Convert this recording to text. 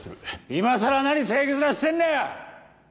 今さら何正義面してんだよ！